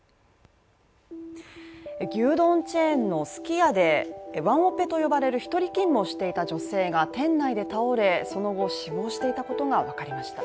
牛丼チェーンのすき家でワンオペと呼ばれる１人勤務をしていた女性が店内で倒れ、その後死亡していたことがわかりました。